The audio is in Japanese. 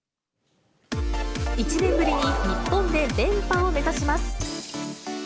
１年ぶりに日本で連覇を目指します。